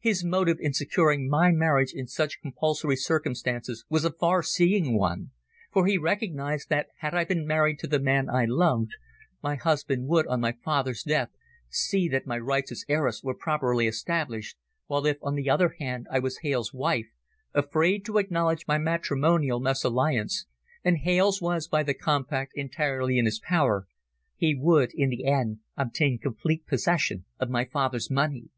His motive in securing my marriage in such compulsory circumstances was a far seeing one, for he recognised that had I married the man I loved, my husband would, on my father's death, see that my rights as heiress were properly established, while if, on the other hand, I were Hales' wife, afraid to acknowledge my matrimonial mesalliance, and Hales was by the compact entirely in his power, he would in the end obtain complete possession of my father's money.